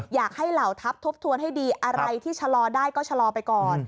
เหล่าทัพทบทวนให้ดีอะไรที่ชะลอได้ก็ชะลอไปก่อน